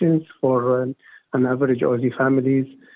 untuk keluarga yang lebih kecil